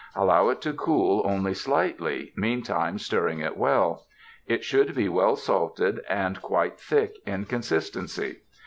Allow it to cool only slightly, meantime stirring it well. It should be well salted and quite thick in consistency.